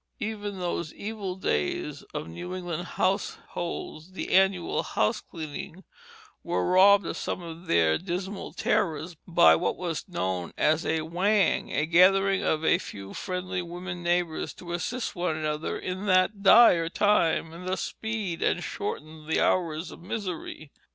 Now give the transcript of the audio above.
Even those evil days of New England households, the annual house cleaning, were robbed of some of their dismal terrors by what was known as a "whang," a gathering of a few friendly women neighbors to assist one another in that dire time, and thus speed and shorten the hours of misery.